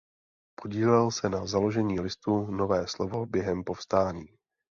Podílel se na založení listu "Nové slovo" během povstání.